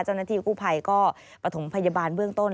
เจ้าหน้าที่กู้ภัยก็ประถมพยาบาลเบื้องต้น